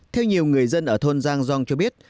theo nhiều người dân ở thôn giang dong cho biết